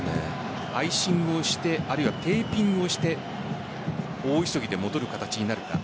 アイシングをしてあるいはテーピングをして大急ぎで戻る形になるか。